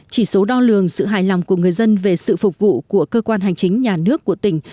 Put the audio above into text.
chỉ số đo lường sự hài lòng của người dân về sự phục vụ của cơ quan hành chính nhà nước của tỉnh